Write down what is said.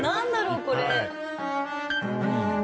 これ。